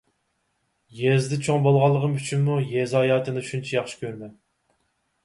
يېزىدا چوڭ بولغانلىقىم ئۈچۈنمۇ يېزا ھاياتىنى شۇنچە ياخشى كۆرىمەن.